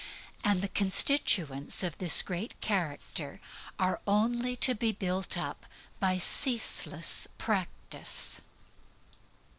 And the constituents of this great character are only to be built up by CEASELESS PRACTICE.